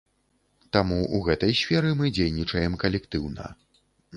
Таму ў гэтай сферы мы дзейнічаем калектыўна.